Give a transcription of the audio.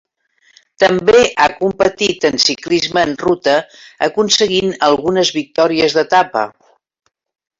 També ha competit en ciclisme en ruta, aconseguint algunes victòries d'etapa.